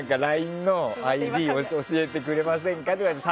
ＬＩＮＥのＩＤを教えてくれませんかとか。